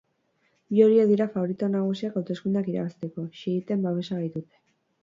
Bi horiek dira faborito nagusiak hauteskundeak irabazteko, xiiten babesa baitute.